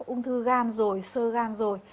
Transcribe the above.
ung thư gan rồi sơ gan rồi